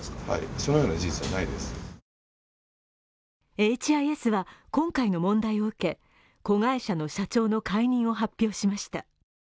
エイチ・アイ・エスは今回の問題を受け、子会社の社長の解任を発表しました。